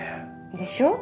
でしょ？